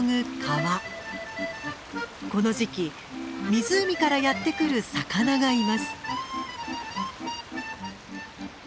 この時期湖からやってくる魚がいます。